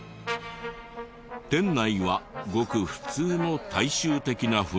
店内はごく普通の大衆的な雰囲気で。